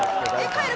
帰る？